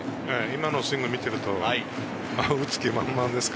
今のスイングを見ていると、打つ気満々です。